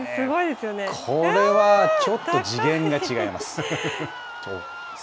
これはちょっと次元が違います。